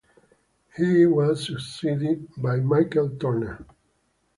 His was succeeded by Michael Turner.